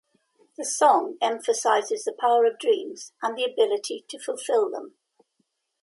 The song emphasizes the power of dreams and the ability to fulfill them.